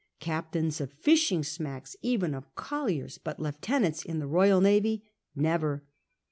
Captains of fish ing smacks — even of collici'S — but Lieutenants in the Royal Nayy ? N e vcr.